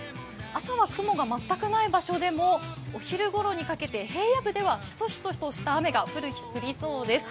朝は雲が全くない場所でもお昼ごろにかけて平野部では、しとしととした雨が降りそうです。